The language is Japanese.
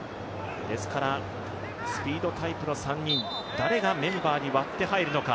ですからスピードタイプの３人、誰がメンバーに割って入るのか。